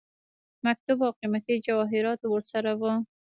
مکتوب او قيمتي جواهراتو ورسره وه.